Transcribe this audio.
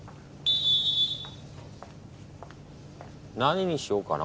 何にしようかな。